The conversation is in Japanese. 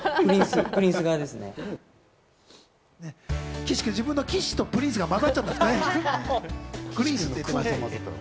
岸君、自分の「岸」と「プリンス」が混ざっちゃった感じですね。